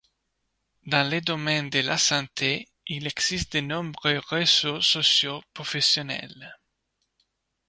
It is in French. Dans le domaine de la santé, il existe de nombreux réseaux sociaux professionnels.